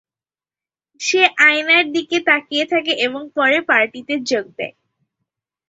সে আয়নার দিকে তাকিয়ে থাকে এবং পরে পার্টিতে যোগ দেয়।